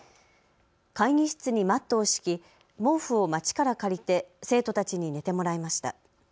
会議室にマットを敷き毛布を町から借りて生徒たちに寝てもらいました。